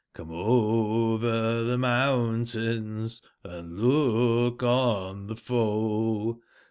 ^^^ i Come over tbc mountains and look on tbc foe.